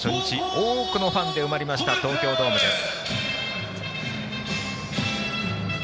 多くのファンで埋まりました東京ドームです。